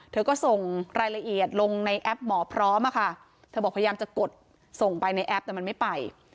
เธอก็ส่งรายละเอียดลงในแอปหมอพร้อมอะค่ะเธอบอกพยายามจะกดส่งไปในแอปแต่มันไม่ไป